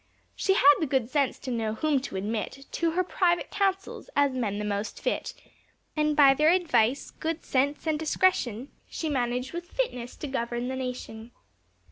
She had the good sense to know whom to admit To her private councils, as men the most fit; And by their advice, good sense and discretion, She managed with fitness to govern the nation.